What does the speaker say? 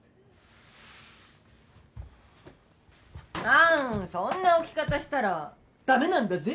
あんそんな置き方したらダメなんだぜ！